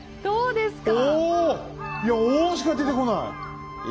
いや「おお」しか出てこない。